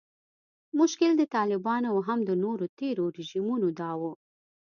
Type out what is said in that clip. مشکل د طالبانو او هم د نورو تیرو رژیمونو دا و